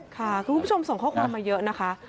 คุณผู้ชมส่งข้อความมาเยอะนะคะ